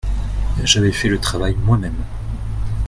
J’avais fait le travail moi-même.